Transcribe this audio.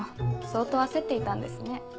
相当焦っていたんですね。